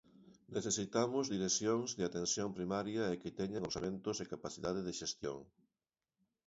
Necesitamos direccións de atención primaria e que teñan orzamentos e capacidade de xestión.